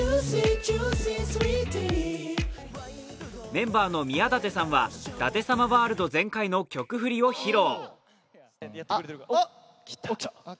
メンバーの宮舘さんは、舘様ワールド全開の曲振りを披露。